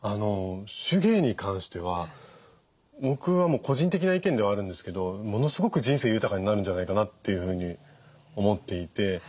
手芸に関しては僕は個人的な意見ではあるんですけどものすごく人生豊かになるんじゃないかなというふうに思っていて。